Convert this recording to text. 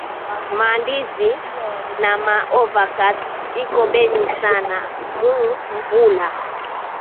Ma ndizi, na ma avocat iko beyi sana mu mvula